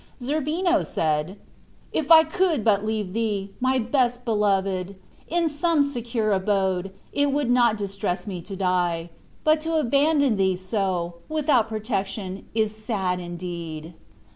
Zerbino said, "If I could but leave thee, my best beloved, in some secure abode, it would not distress me to die; but to abandon thee so, without protection, is sad indeed."